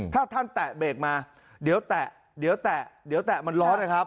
ถ้าท่านแตะเบรกมาเดี๋ยวแตะมันร้อนนะครับ